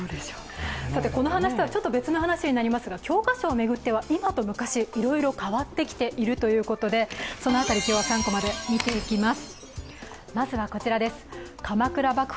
この話とはちょっと別の話になりますが、教科書を巡っては今と昔、いろいろ変わってきているということでその辺り、今日は３コマで見ていきます。